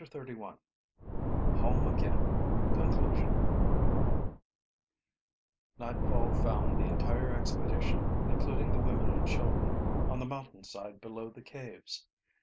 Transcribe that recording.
CHAPTER XXXI HOME AGAIN CONCLUSION Nightfall found the entire expedition, including the women and children, on the mountain side below the caves.